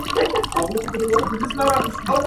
يو خو به له اسراف څخه ژغورل سوی وي.